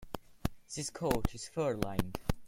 This coat is fur-lined.